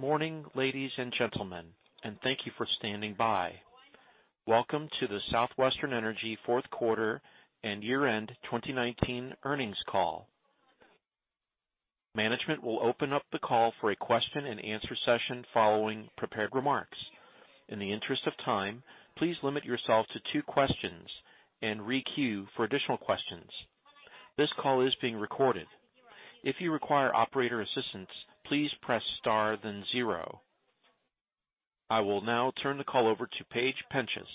Good morning, ladies and gentlemen, and thank you for standing by. Welcome to the Southwestern Energy fourth quarter and year-end 2019 earnings call. Management will open up the call for a question and answer session following prepared remarks. In the interest of time, please limit yourself to two questions and re-queue for additional questions. This call is being recorded. If you require operator assistance, please press star then zero. I will now turn the call over to Paige Penchas,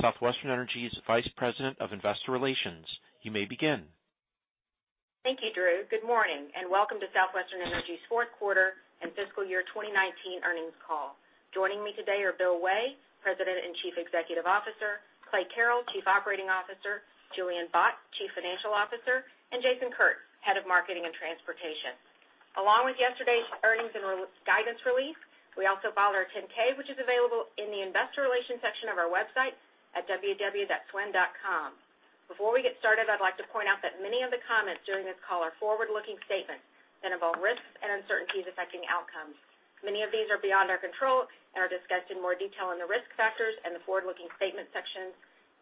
Southwestern Energy's Vice President of Investor Relations. You may begin. Thank you, Drew. Good morning, and welcome to Southwestern Energy's fourth quarter and fiscal year 2019 earnings call. Joining me today are Bill Way, President and Chief Executive Officer; Clay Carrell, Chief Operating Officer; Julian Bott, Chief Financial Officer; and Jason Kurtz, Head of Marketing and Transportation. Along with yesterday's earnings and guidance release, we also filed our 10-K, which is available in the investor relations section of our website at www.swn.com. Before we get started, I'd like to point out that many of the comments during this call are forward-looking statements that involve risks and uncertainties affecting outcomes. Many of these are beyond our control and are discussed in more detail in the risk factors and the forward-looking statement sections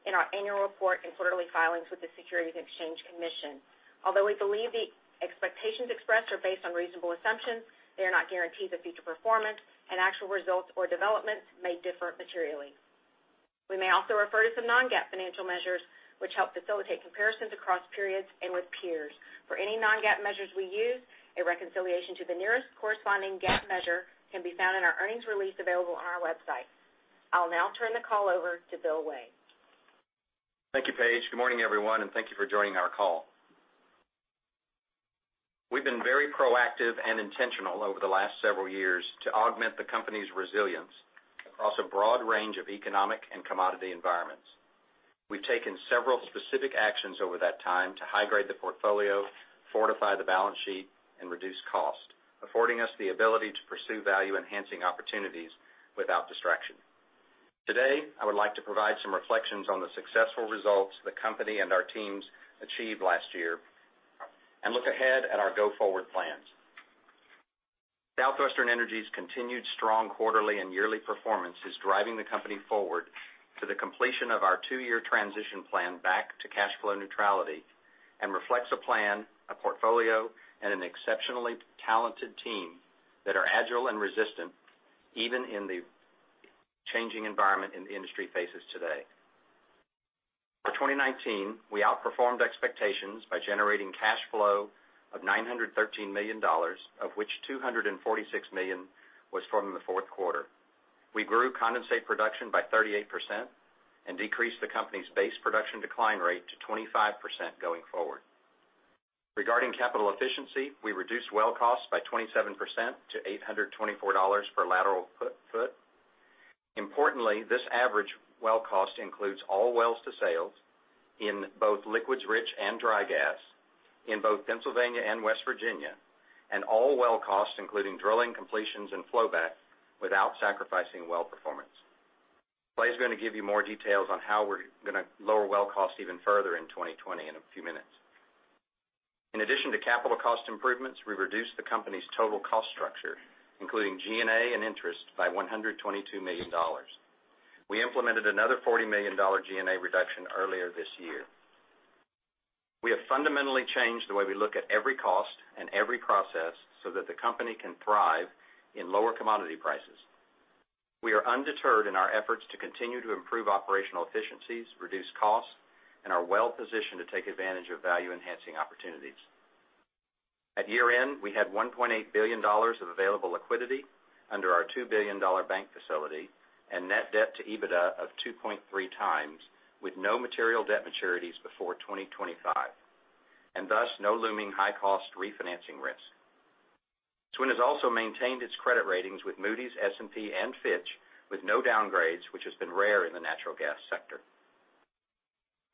in our annual report and quarterly filings with the Securities and Exchange Commission. Although we believe the expectations expressed are based on reasonable assumptions, they are not guarantees of future performance and actual results or developments may differ materially. We may also refer to some non-GAAP financial measures which help facilitate comparisons across periods and with peers. For any non-GAAP measures we use, a reconciliation to the nearest corresponding GAAP measure can be found in our earnings release available on our website. I'll now turn the call over to Bill Way. Thank you, Paige. Good morning, everyone, and thank you for joining our call. We've been very proactive and intentional over the last several years to augment the company's resilience across a broad range of economic and commodity environments. We've taken several specific actions over that time to high-grade the portfolio, fortify the balance sheet, and reduce cost, affording us the ability to pursue value-enhancing opportunities without distraction. Today, I would like to provide some reflections on the successful results the company and our teams achieved last year and look ahead at our go-forward plans. Southwestern Energy's continued strong quarterly and yearly performance is driving the company forward to the completion of our two-year transition plan back to cash flow neutrality and reflects a plan, a portfolio, and an exceptionally talented team that are agile and resistant even in the changing environment the industry faces today. For 2019, we outperformed expectations by generating cash flow of $913 million, of which $246 million was from the fourth quarter. We grew condensate production by 38% and decreased the company's base production decline rate to 25% going forward. Regarding capital efficiency, we reduced well costs by 27% to $824 per lateral foot. Importantly, this average well cost includes all wells to sales in both liquids rich and dry gas, in both Pennsylvania and West Virginia, and all well costs, including drilling completions and flowback, without sacrificing well performance. Clay's going to give you more details on how we're going to lower well costs even further in 2020 in a few minutes. In addition to capital cost improvements, we reduced the company's total cost structure, including G&A and interest, by $122 million. We implemented another $40 million G&A reduction earlier this year. We have fundamentally changed the way we look at every cost and every process so that the company can thrive in lower commodity prices. We are undeterred in our efforts to continue to improve operational efficiencies, reduce costs, and are well-positioned to take advantage of value-enhancing opportunities. At year-end, we had $1.8 billion of available liquidity under our $2 billion bank facility and net debt to EBITDA of 2.3x, with no material debt maturities before 2025, and thus no looming high-cost refinancing risk. SWN has also maintained its credit ratings with Moody's, S&P, and Fitch with no downgrades, which has been rare in the natural gas sector.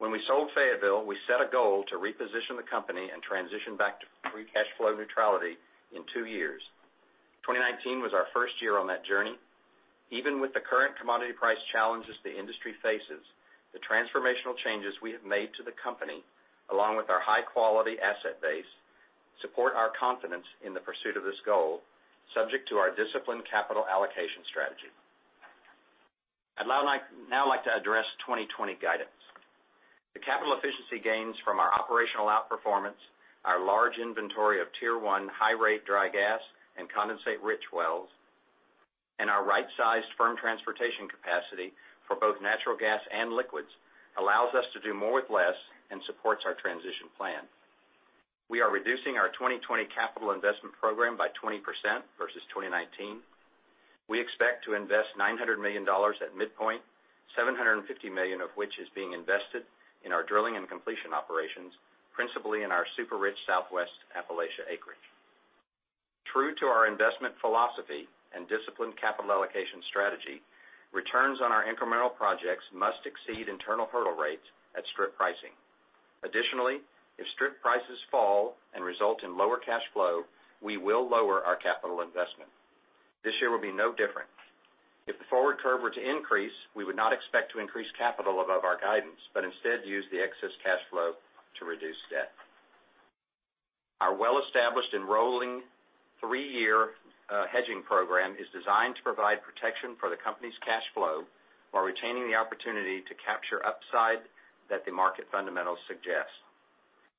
When we sold Fayetteville, we set a goal to reposition the company and transition back to free cash flow neutrality in two years. 2019 was our first year on that journey. Even with the current commodity price challenges the industry faces, the transformational changes we have made to the company, along with our high-quality asset base, support our confidence in the pursuit of this goal, subject to our disciplined capital allocation strategy. I'd now like to address 2020 guidance. The capital efficiency gains from our operational outperformance, our large inventory of tier one high-rate dry gas and condensate-rich wells, and our right-sized firm transportation capacity for both natural gas and liquids allows us to do more with less and supports our transition plan. We are reducing our 2020 capital investment program by 20% versus 2019. We expect to invest $900 million at midpoint, $750 million of which is being invested in our drilling and completion operations, principally in our super-rich Southwest Appalachia acreage. True to our investment philosophy and disciplined capital allocation strategy, returns on our incremental projects must exceed internal hurdle rates at strip pricing. If strip prices fall and result in lower cash flow, we will lower our capital investment. This year will be no different. If the forward curve were to increase, we would not expect to increase capital above our guidance, but instead use the excess cash flow to reduce debt. Our well-established and rolling three-year hedging program is designed to provide protection for the company's cash flow while retaining the opportunity to capture upside that the market fundamentals suggest.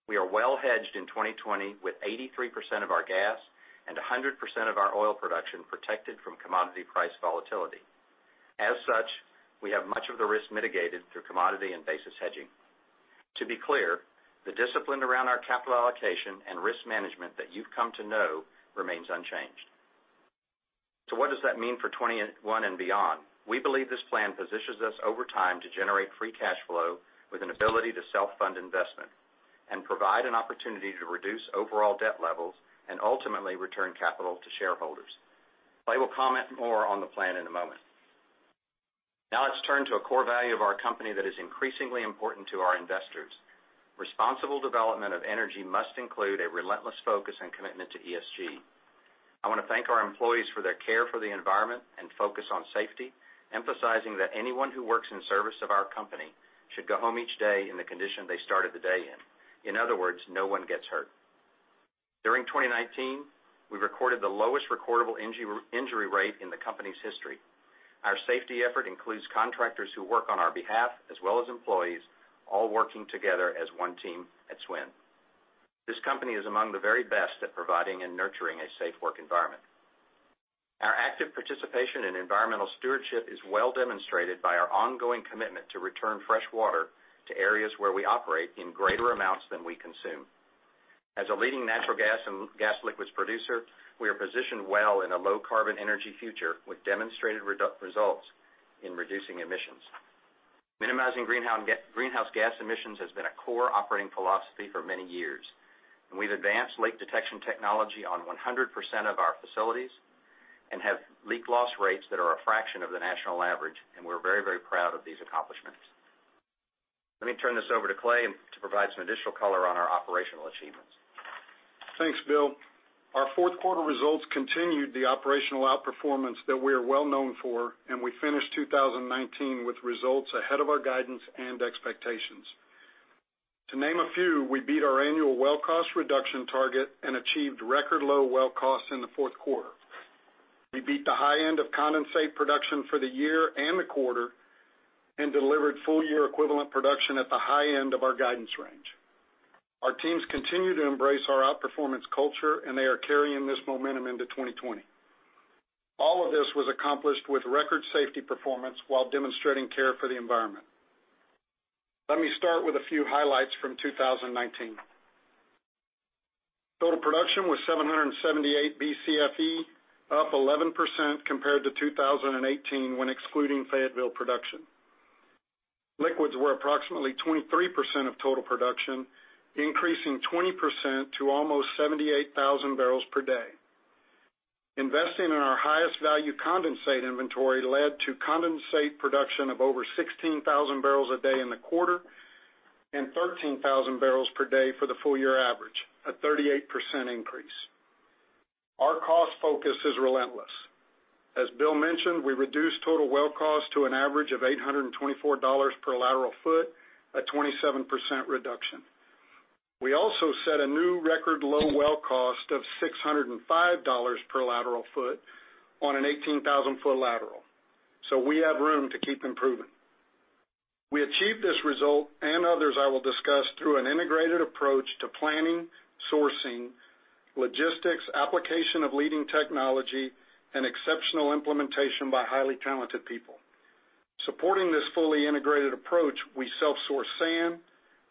We are well-hedged in 2020 with 83% of our gas and 100% of our oil production protected from commodity price volatility. We have much of the risk mitigated through commodity and basis hedging. To be clear, the discipline around our capital allocation and risk management that you've come to know remains unchanged. What does that mean for 2021 and beyond? We believe this plan positions us over time to generate free cash flow with an ability to self-fund investment and provide an opportunity to reduce overall debt levels and ultimately return capital to shareholders. Clay will comment more on the plan in a moment. Let's turn to a core value of our company that is increasingly important to our investors. Responsible development of energy must include a relentless focus and commitment to ESG. I want to thank our employees for their care for the environment and focus on safety, emphasizing that anyone who works in service of our company should go home each day in the condition they started the day in. In other words, no one gets hurt. During 2019, we recorded the lowest recordable injury rate in the company's history. Our safety effort includes contractors who work on our behalf as well as employees, all working together as one team at SWN. This company is among the very best at providing and nurturing a safe work environment. Our active participation in environmental stewardship is well demonstrated by our ongoing commitment to return fresh water to areas where we operate in greater amounts than we consume. As a leading natural gas and gas liquids producer, we are positioned well in a low-carbon energy future with demonstrated results in reducing emissions. Minimizing greenhouse gas emissions has been a core operating philosophy for many years. We've advanced leak detection technology on 100% of our facilities and have leak loss rates that are a fraction of the national average. We're very proud of these accomplishments. Let me turn this over to Clay to provide some additional color on our operational achievements. Thanks, Bill. Our fourth quarter results continued the operational outperformance that we are well-known for, and we finished 2019 with results ahead of our guidance and expectations. To name a few, we beat our annual well cost reduction target and achieved record low well costs in the fourth quarter. We beat the high end of condensate production for the year and the quarter and delivered full-year equivalent production at the high end of our guidance range. Our teams continue to embrace our outperformance culture, and they are carrying this momentum into 2020. All of this was accomplished with record safety performance while demonstrating care for the environment. Let me start with a few highlights from 2019. Total production was 778 Bcfe, up 11% compared to 2018 when excluding Fayetteville production. Liquids were approximately 23% of total production, increasing 20% to almost 78,000 bpd. Investing in our highest value condensate inventory led to condensate production of over 16,000 bpd in the quarter and 13,000 bpd for the full-year average, a 38% increase. Our cost focus is relentless. As Bill mentioned, we reduced total well cost to an average of $824 per lateral foot, a 27% reduction. We also set a new record low well cost of $605 per lateral foot on an 18,000 ft lateral. We have room to keep improving. We achieved this result and others I will discuss through an integrated approach to planning, sourcing, logistics, application of leading technology, and exceptional implementation by highly talented people. Supporting this fully integrated approach, we self-source sand,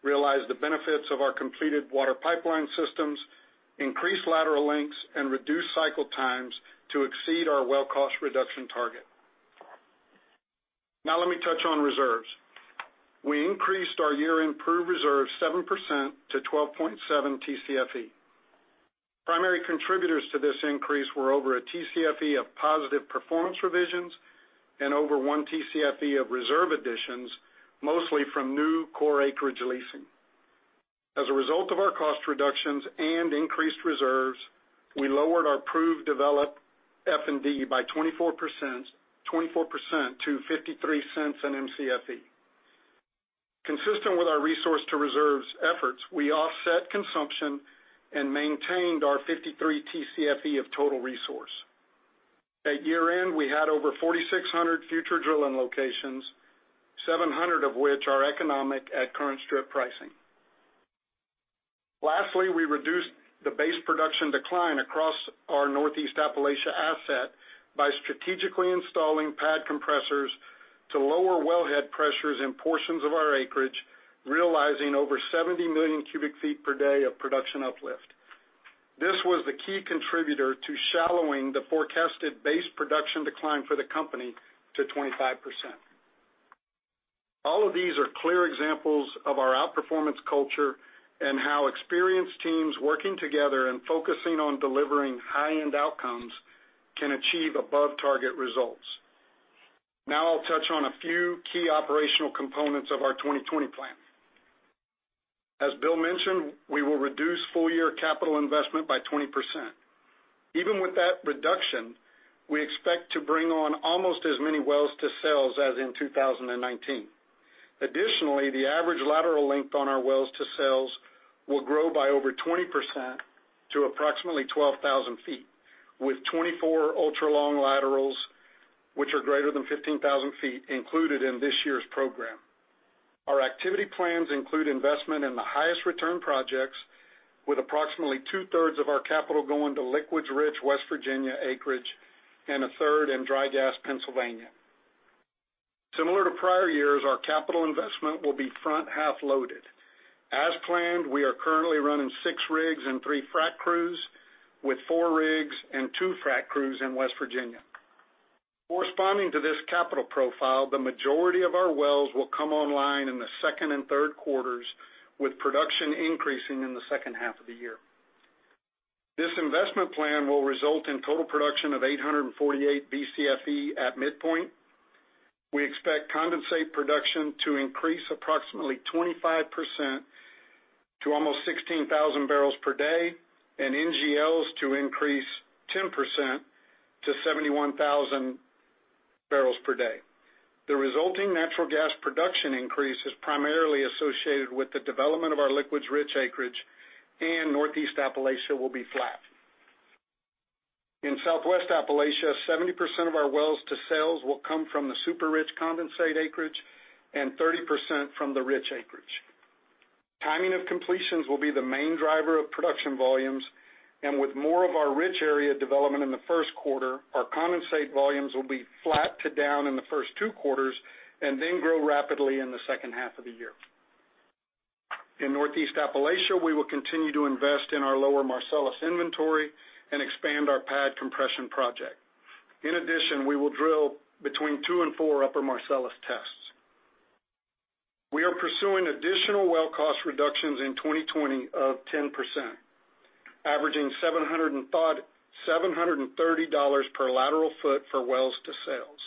realize the benefits of our completed water pipeline systems, increase lateral lengths, and reduce cycle times to exceed our well cost reduction target. Now let me touch on reserves. We increased our year-end proved reserves 7% to 12.7 Tcfe. Primary contributors to this increase were over a Tcfe of positive performance revisions and over one Tcfe of reserve additions, mostly from new core acreage leasing. As a result of our cost reductions and increased reserves, we lowered our proved develop F&D by 24% to $0.53 in Mcfe. Consistent with our resource to reserves efforts, we offset consumption and maintained our 53 Tcfe of total resource. At year-end, we had over 4,600 future drilling locations, 700 of which are economic at current strip pricing. Lastly, we reduced the base production decline across our Northeast Appalachia asset by strategically installing pad compressors to lower well head pressures in portions of our acreage, realizing over 70 million cu ft per day of production uplift. This was the key contributor to shallowing the forecasted base production decline for the company to 25%. All of these are clear examples of our outperformance culture and how experienced teams working together and focusing on delivering high-end outcomes can achieve above-target results. Now I'll touch on a few key operational components of our 2020 plan. As Bill mentioned, we will reduce full-year capital investment by 20%. Even with that reduction, we expect to bring on almost as many wells to sales as in 2019. Additionally, the average lateral length on our wells to sales will grow by over 20% to approximately 12,000 ft, with 24 ultra-long laterals, which are greater than 15,000 ft, included in this year's program. Our activity plans include investment in the highest return projects, with approximately 2/3 of our capital going to liquids-rich West Virginia acreage and 1/3 in dry gas Pennsylvania. Similar to prior years, our capital investment will be front-half loaded. As planned, we are currently running six rigs and three frac crews, with four rigs and two frac crews in West Virginia. Corresponding to this capital profile, the majority of our wells will come online in the second and third quarters, with production increasing in the second half of the year. This investment plan will result in total production of 848 Bcfe at midpoint. We expect condensate production to increase approximately 25% to almost 16,000 bpd, and NGLs to increase 10% to 71,000 bpd. The resulting natural gas production increase is primarily associated with the development of our liquids-rich acreage, and Northeast Appalachia will be flat. In Southwest Appalachia, 70% of our wells to sales will come from the super rich condensate acreage and 30% from the rich acreage. Timing of completions will be the main driver of production volumes, and with more of our rich area development in the first quarter, our condensate volumes will be flat to down in the first two quarters and then grow rapidly in the second half of the year. In Northeast Appalachia, we will continue to invest in our lower Marcellus inventory and expand our pad compression project. In addition, we will drill between two and four upper Marcellus tests. We are pursuing additional well cost reductions in 2020 of 10%, averaging $730 per lateral foot for wells to sales.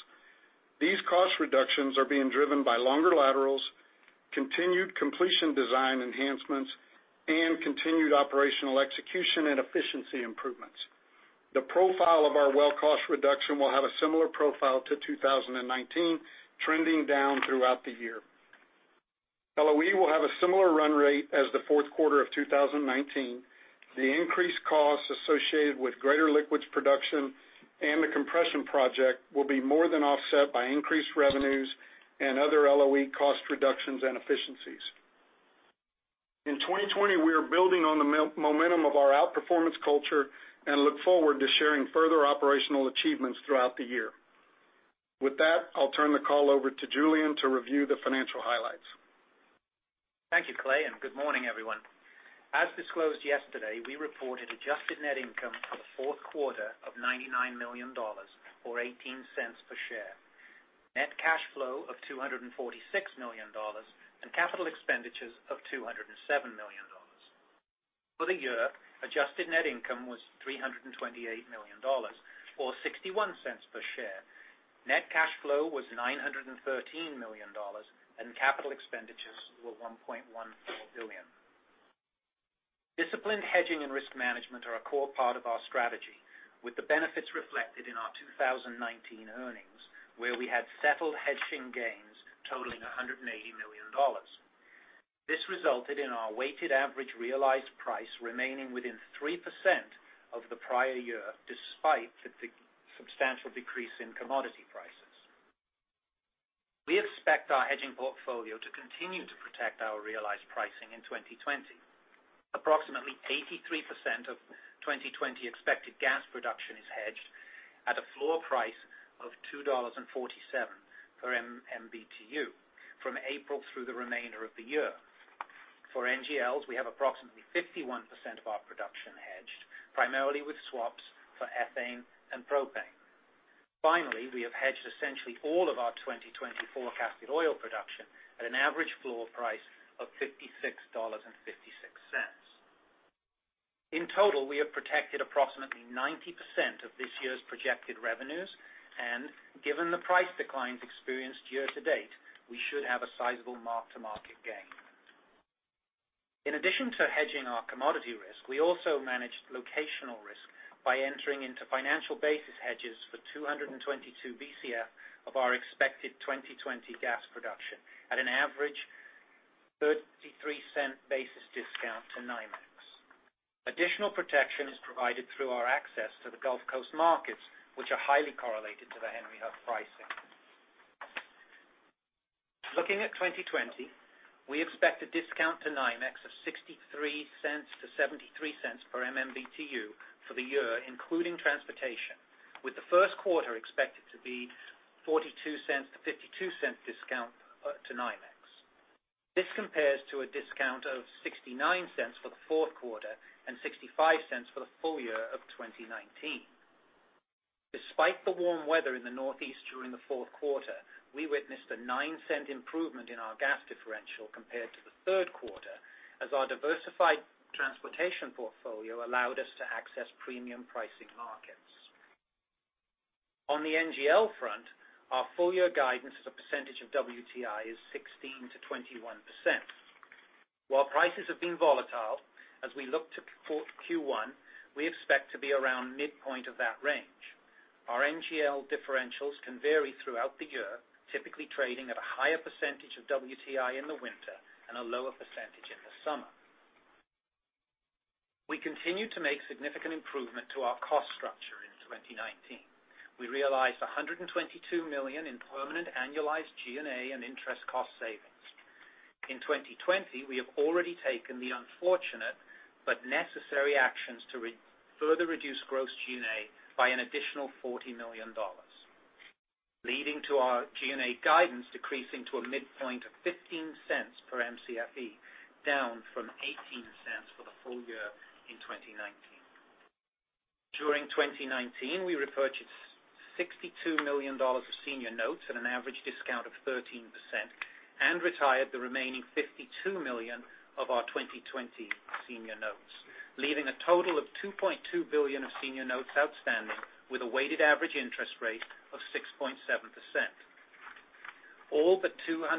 These cost reductions are being driven by longer laterals, continued completion design enhancements, and continued operational execution and efficiency improvements. The profile of our well cost reduction will have a similar profile to 2019, trending down throughout the year. LOE will have a similar run rate as the fourth quarter of 2019. The increased costs associated with greater liquids production and the compression project will be more than offset by increased revenues and other LOE cost reductions and efficiencies. In 2020, we are building on the momentum of our outperformance culture and look forward to sharing further operational achievements throughout the year. With that, I'll turn the call over to Julian to review the financial highlights. Thank you, Clay, and good morning, everyone. As disclosed yesterday, we reported adjusted net income for the fourth quarter of $99 million, or $0.18 per share. Net cash flow of $246 million and capital expenditures of $207 million. For the year, adjusted net income was $328 million, or $0.61 per share. Net cash flow was $913 million, and capital expenditures were $1.14 billion. Disciplined hedging and risk management are a core part of our strategy, with the benefits reflected in our 2019 earnings, where we had settled hedging gains totaling $180 million. This resulted in our weighted average realized price remaining within 3% of the prior year, despite the substantial decrease in commodity prices. We expect our hedging portfolio to continue to protect our realized pricing in 2020. Approximately 83% of 2020 expected gas production is hedged at a floor price of $2.47 per MMBtu from April through the remainder of the year. For NGLs, we have approximately 51% of our production hedged, primarily with swaps for ethane and propane. Finally, we have hedged essentially all of our 2020 forecasted oil production at an average floor price of $56.56. In total, we have protected approximately 90% of this year's projected revenues, and given the price declines experienced year to date, we should have a sizable mark-to-market gain. In addition to hedging our commodity risk, we also managed locational risk by entering into financial basis hedges for 222 Bcf of our expected 2020 gas production at an average $0.33 basis discount to NYMEX. Additional protection is provided through our access to the Gulf Coast markets, which are highly correlated to the Henry Hub pricing. Looking at 2020, we expect a discount to NYMEX of $0.63-$0.73 per MMBtu for the year, including transportation, with the first quarter expected to be $0.42-$0.52 discount to NYMEX. This compares to a discount of $0.69 for the fourth quarter and $0.65 for the full year of 2019. Despite the warm weather in the Northeast during the fourth quarter, we witnessed a $0.09 improvement in our gas differential compared to the third quarter, as our diversified transportation portfolio allowed us to access premium pricing markets. On the NGL front, our full-year guidance as a percentage of WTI is 16%-21%. While prices have been volatile, as we look to Q1, we expect to be around midpoint of that range. Our NGL differentials can vary throughout the year, typically trading at a higher % of WTI in the winter and a lower % in the summer. We continue to make significant improvement to our cost structure in 2019. We realized $122 million in permanent annualized G&A and interest cost savings. In 2020, we have already taken the unfortunate but necessary actions to further reduce gross G&A by an additional $40 million, leading to our G&A guidance decreasing to a midpoint of $0.15 per Mcfe, down from $0.18 for the full year in 2019. During 2019, we repurchased $62 million of senior notes at an average discount of 13% and retired the remaining $52 million of our 2020 senior notes, leaving a total of $2.2 billion of senior notes outstanding with a weighted average interest rate of 6.7%. All but $213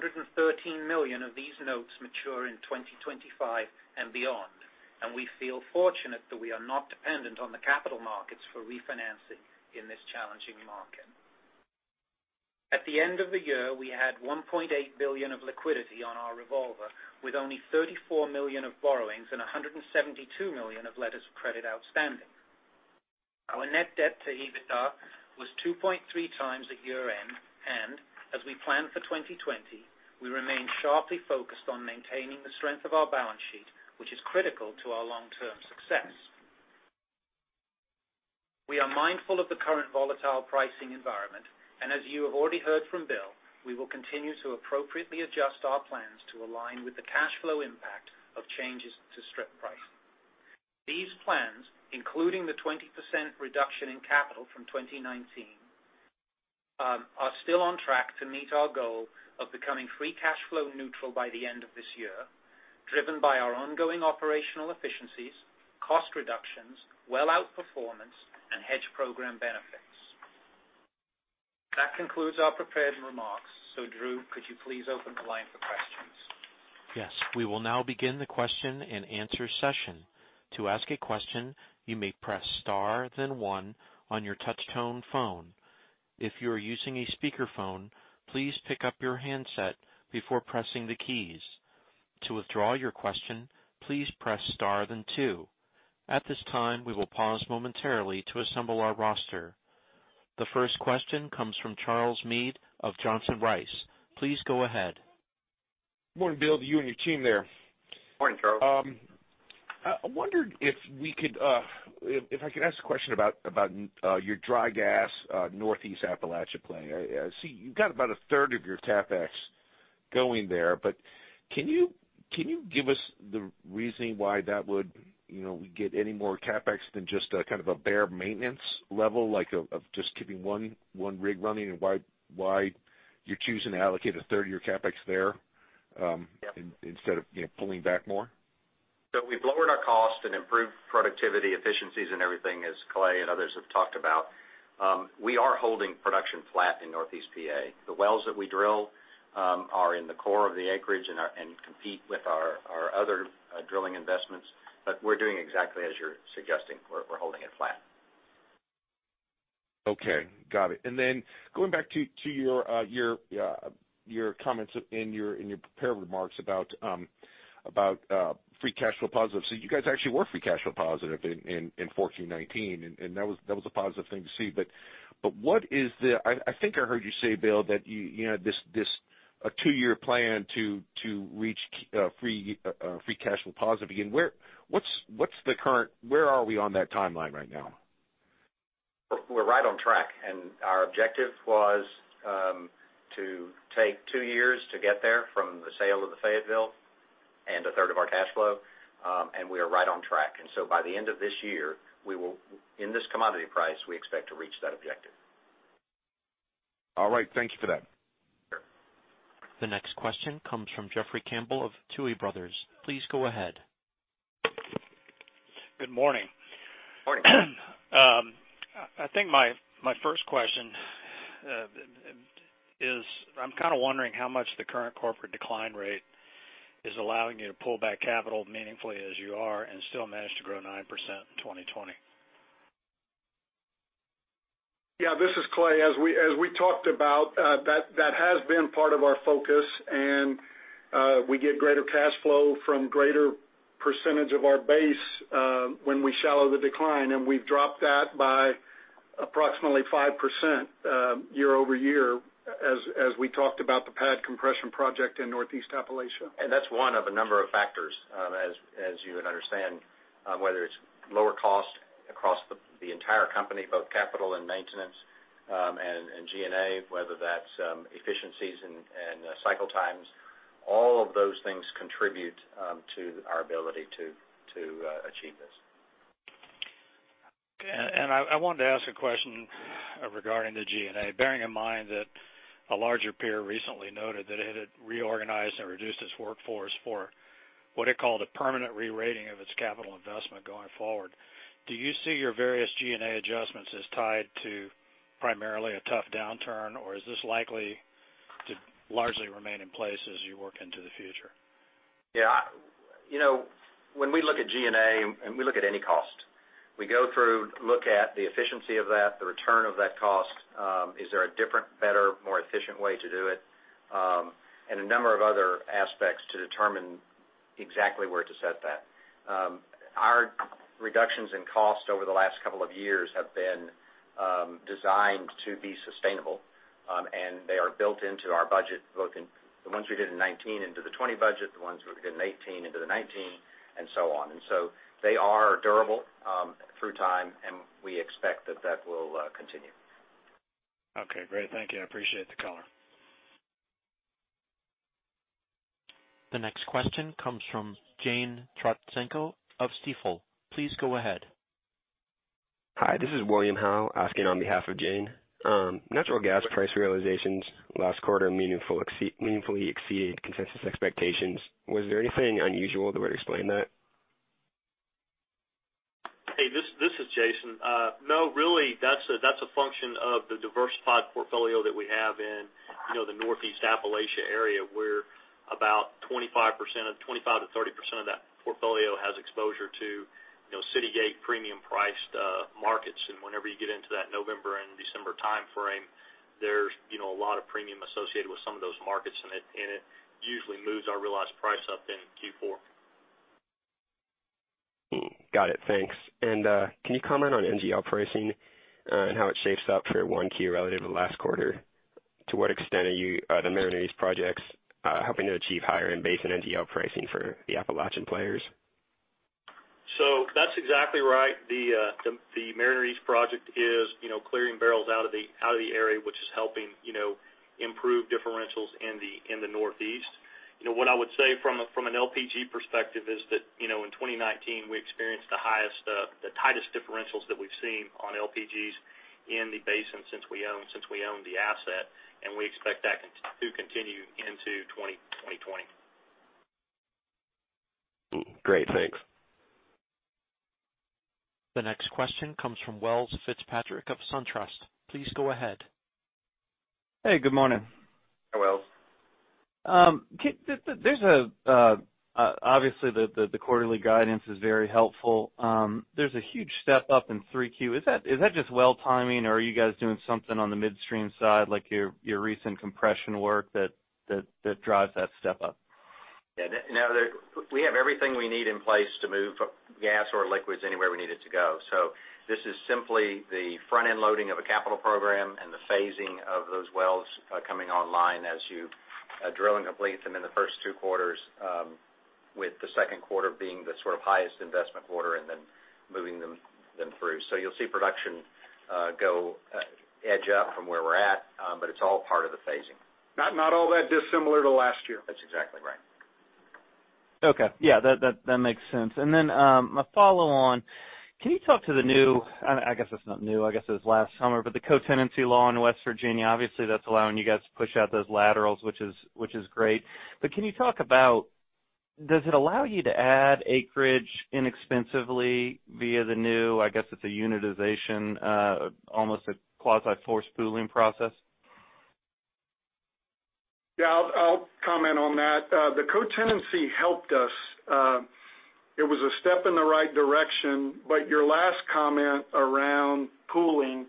million of these notes mature in 2025 and beyond, and we feel fortunate that we are not dependent on the capital markets for refinancing in this challenging market. At the end of the year, we had $1.8 billion of liquidity on our revolver, with only $34 million of borrowings and $172 million of letters of credit outstanding. Our net debt to EBITDA was 2.3x at year-end, and as we plan for 2020, we remain sharply focused on maintaining the strength of our balance sheet, which is critical to our long-term success. We are mindful of the current volatile pricing environment, and as you have already heard from Bill, we will continue to appropriately adjust our plans to align with the cash flow impact of changes to strip price. These plans, including the 20% reduction in capital from 2019, are still on track to meet our goal of becoming free cash flow neutral by the end of this year, driven by our ongoing operational efficiencies, cost reductions, well outperformance, and hedge program benefits. That concludes our prepared remarks. Drew, could you please open the line for questions? Yes. We will now begin the question and answer session. To ask a question, you may press star then one on your touch tone phone. If you are using a speakerphone, please pick up your handset before pressing the keys. To withdraw your question, please press star then two. At this time, we will pause momentarily to assemble our roster. The first question comes from Charles Meade of Johnson Rice. Please go ahead. Good morning, Bill, to you and your team there. Morning, Charles. I wondered if I could ask a question about your dry gas Northeast Appalachia play. I see you've got about a third of your CapEx going there. Can you give us the reasoning why that would get any more CapEx than just a bare maintenance level, like of just keeping one rig running, and why you're choosing to allocate a third of your CapEx there instead of pulling back more? We've lowered our cost and improved productivity efficiencies and everything, as Clay and others have talked about. We are holding production flat in Northeast PA. The wells that we drill are in the core of the acreage and compete with our other drilling investments. We're doing exactly as you're suggesting. We're holding it flat. Okay. Got it. Going back to your comments in your prepared remarks about free cash flow positive. You guys actually were free cash flow positive in 2019, and that was a positive thing to see. I think I heard you say, Bill, this two-year plan to reach free cash flow positive again. Where are we on that timeline right now? We're right on track, and our objective was to take two years to get there from the sale of the Fayetteville and a third of our cash flow, and we are right on track. By the end of this year, in this commodity price, we expect to reach that objective. All right. Thank you for that. Sure. The next question comes from Jeffrey Campbell of Tuohy Brothers. Please go ahead. Good morning. Morning. I think my first question is, I'm kind of wondering how much the current corporate decline rate is allowing you to pull back capital meaningfully as you are and still manage to grow 9% in 2020. Yeah. This is Clay. As we talked about, that has been part of our focus. We get greater cash flow from greater percentage of our base when we shallow the decline. We've dropped that by approximately 5% year-over-year as we talked about the pad compression project in Northeast Appalachia. That's one of a number of factors as you would understand whether it's lower cost across the entire company, both capital and maintenance, and G&A, whether that's efficiencies and cycle times. All of those things contribute to our ability to achieve this. I wanted to ask a question regarding the G&A, bearing in mind that a larger peer recently noted that it had reorganized and reduced its workforce for what it called a permanent re-rating of its capital investment going forward. Do you see your various G&A adjustments as tied to primarily a tough downturn, or is this likely to largely remain in place as you work into the future? When we look at G&A, and we look at any cost. We go through, look at the efficiency of that, the return of that cost, is there a different, better, more efficient way to do it, and a number of other aspects to determine exactly where to set that. Our reductions in cost over the last couple of years have been designed to be sustainable, and they are built into our budget, both in the ones we did in 2019 into the 2020 budget, the ones we did in 2018 into the 2019, and so on. They are durable through time, and we expect that that will continue. Okay, great. Thank you. I appreciate the color. The next question comes from Jane Trotsenko of Stifel. Please go ahead. Hi, this is William Howe asking on behalf of Jane. Natural gas price realizations last quarter meaningfully exceeded consensus expectations. Was there anything unusual that would explain that? Hey, this is Jason. No, really, that's a function of the diversified portfolio that we have in the Northeast Appalachia area, where about 25%-30% of that portfolio has exposure to city gate premium priced markets. Whenever you get into that November and December timeframe, there's a lot of premium associated with some of those markets, and it usually moves our realized price up in Q4. Got it. Thanks. Can you comment on NGL pricing and how it shapes up for 1Q relative to last quarter? To what extent are the Mariner East projects helping to achieve higher end basin NGL pricing for the Appalachian players? That's exactly right. The Mariner East project is clearing barrels out of the area, which is helping improve differentials in the Northeast. What I would say from an LPG perspective is that in 2019, we experienced the tightest differentials that we've seen on LPGs in the basin since we owned the asset, and we expect that to continue into 2020. Great, thanks. The next question comes from Welles Fitzpatrick of SunTrust. Please go ahead. Hey, good morning. Hi, Welles. Obviously, the quarterly guidance is very helpful. There's a huge step up in 3Q. Is that just well timing, or are you guys doing something on the midstream side, like your recent compression work that drives that step up? No. We have everything we need in place to move gas or liquids anywhere we need it to go. This is simply the front-end loading of a capital program and the phasing of those wells coming online as you drill and complete them in the first two quarters, with the second quarter being the sort of highest investment quarter and then moving them through. You'll see production go edge up from where we're at, but it's all part of the phasing. Not all that dissimilar to last year. That's exactly right. Okay. Yeah, that makes sense. Then, a follow on, can you talk to the new, I guess it's not new, I guess it was last summer, but the co-tenancy law in West Virginia? Obviously, that's allowing you guys to push out those laterals, which is great. Can you talk about does it allow you to add acreage inexpensively via the new, I guess it's a unitization, almost a quasi-forced pooling process? Yeah, I'll comment on that. The co-tenancy helped us. It was a step in the right direction, but your last comment around pooling,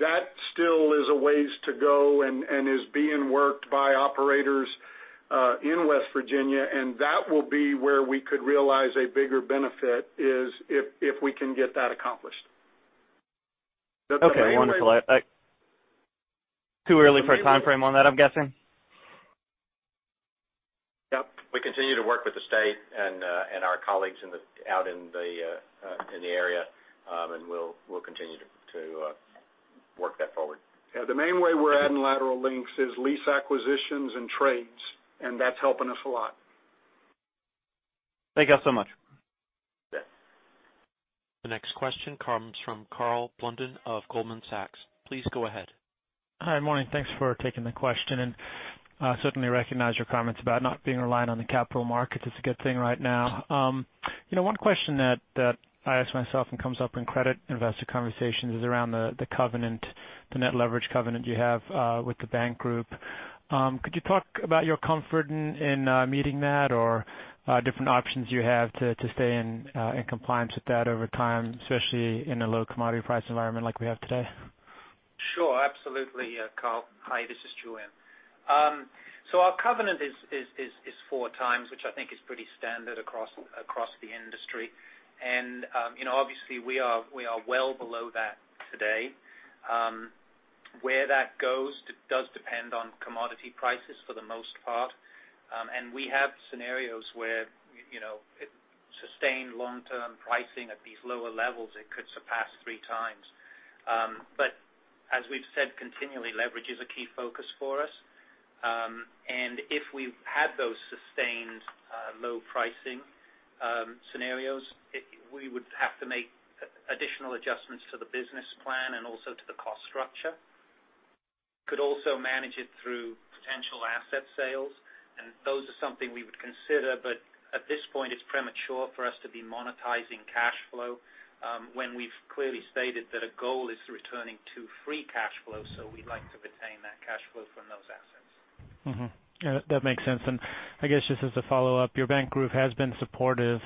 that still is a ways to go and is being worked by operators in West Virginia, and that will be where we could realize a bigger benefit is if we can get that accomplished. Okay, wonderful. Too early for a timeframe on that, I'm guessing? Yep. We continue to work with the state and our colleagues out in the area, and we'll continue to work that forward. Yeah, the main way we're adding lateral links is lease acquisitions and trades, and that's helping us a lot. Thank you all so much. Yeah. The next question comes from Karl Blunden of Goldman Sachs. Please go ahead. Hi, morning. Thanks for taking the question. I certainly recognize your comments about not being reliant on the capital markets. It's a good thing right now. One question that I ask myself and comes up in credit investor conversations is around the net leverage covenant you have with the bank group. Could you talk about your comfort in meeting that or different options you have to stay in compliance with that over time, especially in a low commodity price environment like we have today? Sure, absolutely, Karl. Hi, this is Julian. Our covenant is 4x, which I think is pretty standard across the industry. Obviously, we are well below that today. Where that goes does depend on commodity prices for the most part. We have scenarios where sustained long-term pricing at these lower levels, it could surpass three times. As we've said continually, leverage is a key focus for us. If we had those sustained low pricing scenarios, we would have to make additional adjustments to the business plan and also to the cost structure. Could also manage it through potential asset sales, and those are something we would consider. At this point, it's premature for us to be monetizing cash flow when we've clearly stated that a goal is returning to free cash flow, so we'd like to retain that cash flow from those assets. Mm-hmm. Yeah, that makes sense. I guess just as a follow-up, your bank group has been supportive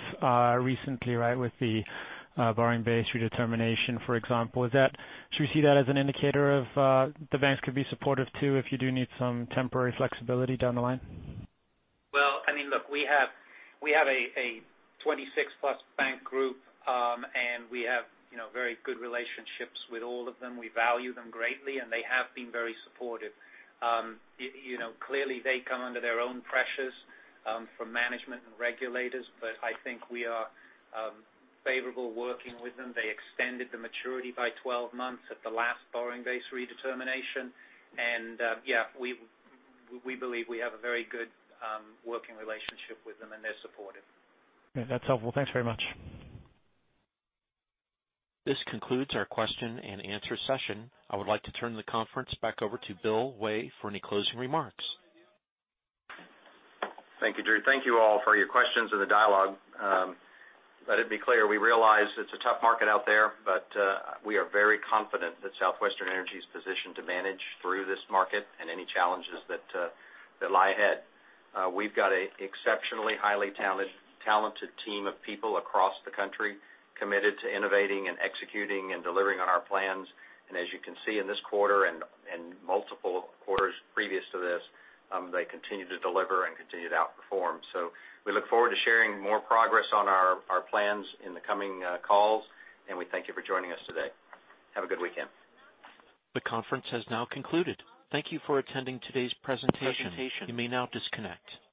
recently, right, with the borrowing base redetermination, for example. Should we see that as an indicator of the banks could be supportive, too, if you do need some temporary flexibility down the line? Well, look, we have a 26+ bank group, and we have very good relationships with all of them. We value them greatly, and they have been very supportive. Clearly, they come under their own pressures from management and regulators, but I think we are favorable working with them. They extended the maturity by 12 months at the last borrowing base redetermination. Yeah, we believe we have a very good working relationship with them and they're supportive. Yeah, that's helpful. Thanks very much. This concludes our question and answer session. I would like to turn the conference back over to Bill Way for any closing remarks. Thank you, Drew. Thank you all for your questions and the dialogue. Let it be clear, we realize it's a tough market out there, but we are very confident that Southwestern Energy is positioned to manage through this market and any challenges that lie ahead. We've got an exceptionally highly talented team of people across the country committed to innovating and executing and delivering on our plans. As you can see in this quarter and multiple quarters previous to this, they continue to deliver and continue to outperform. We look forward to sharing more progress on our plans in the coming calls, and we thank you for joining us today. Have a good weekend. The conference has now concluded. Thank you for attending today's presentation. You may now disconnect.